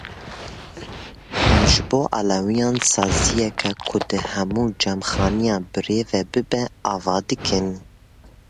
Em ji bo Elewiyan saziyeka ku dê hemû cemxaneyan birêve bibe ava dikin.